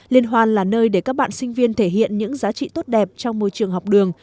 liên hoan là nơi để các bạn sinh viên thể hiện những giá trị tốt đẹp trong môi trường học đường